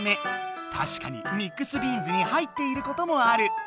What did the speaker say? たしかにミックスビーンズに入っていることもある。